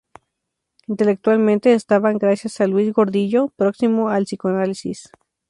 Intelectualmente estaban, gracias a Luís Gordillo, próximos al psicoanálisis.